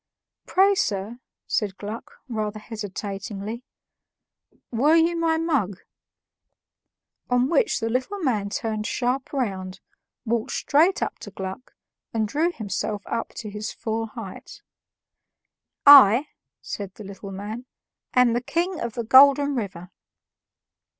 "Pray, sir," said Gluck, rather hesitatingly, "were you my mug?" On which the little man turned sharp round, walked straight up to Gluck, and drew himself up to his full height. "I," said the little man, "am the King of the Golden River."